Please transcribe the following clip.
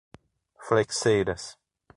Flexeiras